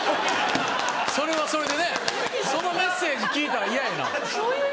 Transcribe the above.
それはそれでねそのメッセージ聞いたら嫌やな。